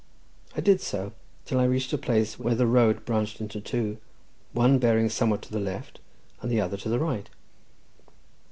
I did so, till I reached a place where the road branched into two, one bearing somewhat to the left, and the other to the right.